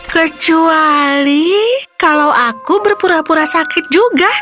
kecuali kalau aku berpura pura sakit juga